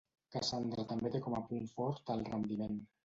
Cassandra també té com a punt fort el rendiment.